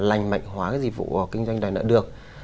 lành mạnh hóa cái dịch vụ kinh doanh đòi nợ được